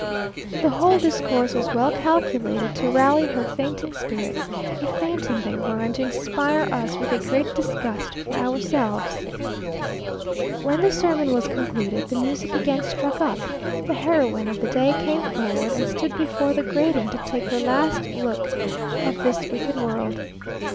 The whole discourse was well calculated to rally her fainting spirits, if fainting they were, and to inspire us with a great disgust for ourselves. When the sermon was concluded, the music again struck up the heroine of the day came forward, and stood before the grating to take her last look of this wicked world.